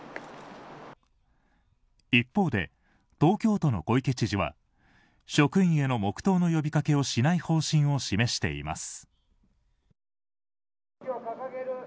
一方で、東京都の小池都知事は職員への黙祷の呼びかけをしない方針を示しています。